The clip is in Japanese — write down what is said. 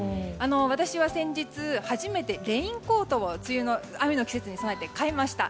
私は先日、初めてレインコートを雨の季節に備えて買いました。